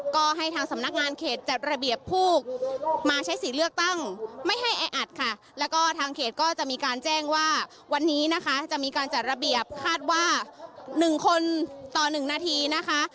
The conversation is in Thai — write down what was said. ก็ให้ทางสำนักงานเขตจัดระเบียบผู้มาใช้สิทธิ์เลือกตั้งไม่ให้แออัดค่ะแล้วก็ทางเขตก็จะมีการแจ้งว่าวันนี้นะคะจะมีการจัดระเบียบคาดว่า๑คนต่อ๑นาทีนะคะ